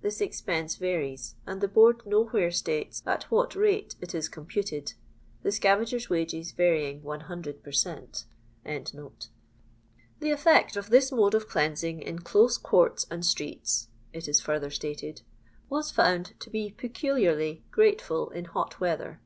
[This expense varies, and the Board nowhere states at what rate it is computed ; the scavagers' wages varying 100 per cent.] " The ef!ect of this mode of cleansing in close couru and streets," it is further stated, " was found to be peculiarly grateful in hot weather.